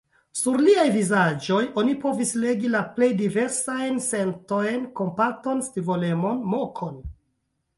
Sur iliaj vizaĝoj oni povis legi la plej diversajn sentojn: kompaton, scivolecon, mokon.